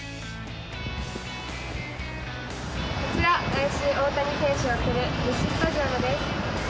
こちら来週大谷選手が来るスタジアムです。